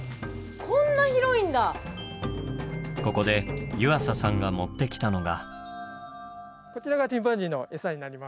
ここで湯浅さんが持ってきたのが。